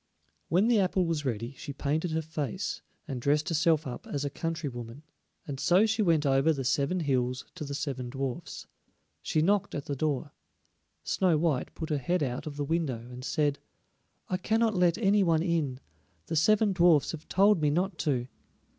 When the apple was ready she painted her face, and dressed herself up as a country woman, and so she went over the seven hills to the seven dwarfs. She knocked at the door. Snow white put her head out of the window and said: "I cannot let any one in; the seven dwarfs have told me not to."